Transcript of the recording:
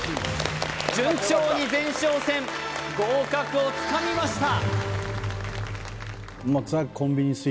順調に前哨戦合格をつかみました